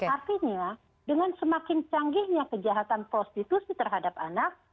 artinya dengan semakin canggihnya kejahatan prostitusi terhadap anak